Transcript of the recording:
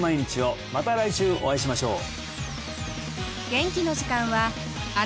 また来週お会いしましょう！